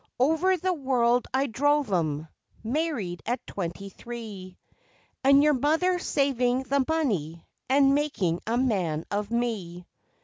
Over the world I drove 'em, married at twenty three, And your mother saving the money and making a man of me.